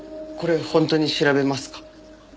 これ本当に調べますか？